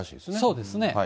そうですね。